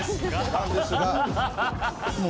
なんですが。